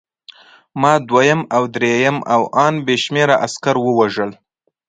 ما دویم او درېیم او ان بې شمېره عسکر ووژل